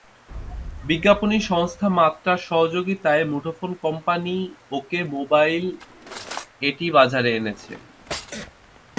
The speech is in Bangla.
বিজ্ঞাপনী সংস্থা মাত্রার সহযোগিতায় মুঠোফোন কোম্পানি ওকে মোবাইল এটি বাজারে এনেছে।